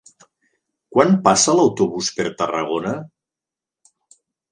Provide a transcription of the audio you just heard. Quan passa l'autobús per Tarragona?